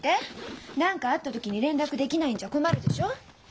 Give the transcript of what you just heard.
何かあった時に連絡できないんじゃ困るでしょ。